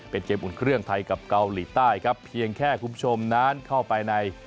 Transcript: เป็นเกมอุ่นเครื่องไทยกับเกาหลีใต้ครับเพียงแค่คุณผู้ชมนั้นเข้าไปใน